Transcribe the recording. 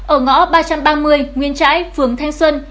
ở ngõ ba trăm ba mươi nguyên trãi phường thanh xuân